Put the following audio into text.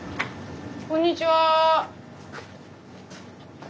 こんにちは。